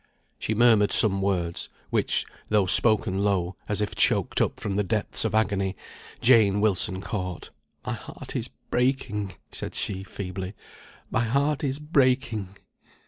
She murmured some words, which, though spoken low, as if choked up from the depths of agony, Jane Wilson caught. "My heart is breaking," said she, feebly. "My heart is breaking."